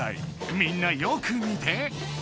みんなよく見て！